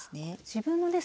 自分のね